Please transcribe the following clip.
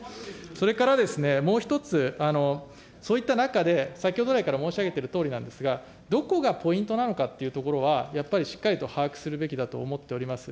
それからですね、もう１つ、そういった中で、先ほど来から申し上げているとおりなんですが、どこがポイントなのかというところはやっぱりしっかりと把握するべきだと思っております。